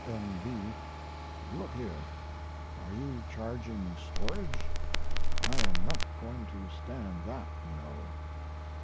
(N. B. Look here, are you charging storage? I am not going to stand that, you know.)